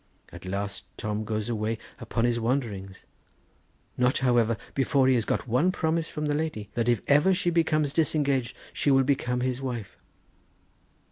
At last Tom goes away upon his wanderings, not, however, before he has got one promise from the lady, that if ever she becomes disengaged she will become his wife.